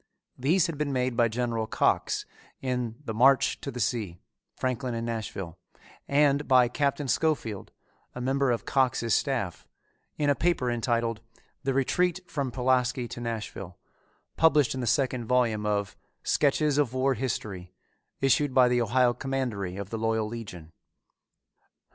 These had been made by General Cox in The March to the Sea Franklin and Nashville, and by Captain Scofield, a member of Cox's staff, in a paper entitled "The Retreat from Pulaski to Nashville," published in the second volume of Sketches of War History, issued by the Ohio Commandery of the Loyal Legion.